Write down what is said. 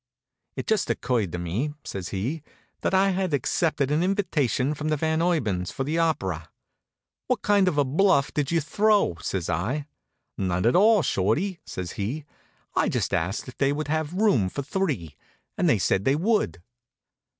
"It just occurred to me," says he, "that I had accepted an invitation from the Van Urbans for the opera." "What kind of a bluff did you throw?" says I. "None at all, Shorty," says he. "I just asked if they would have room for three, and they said they would."